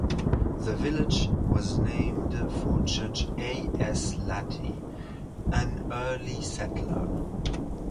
The village was named for Judge A. S. Latty, an early settler.